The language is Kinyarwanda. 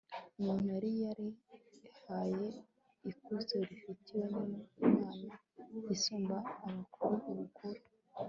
umuntu yari yarihaye ikuzo rifitwe n'imana isumba abakuru ubukuru